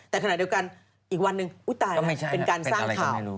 แต่ขณะเดียวกันอีกวันหนึ่งอุ๊ยตายแล้วเป็นการสร้างข่าวเป็นอะไรก็ไม่รู้